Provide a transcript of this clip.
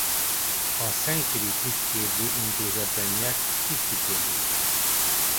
A saint-cyri tisztképző intézetben nyert tiszti kiképzést.